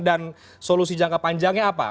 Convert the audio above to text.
dan solusi jangka panjangnya apa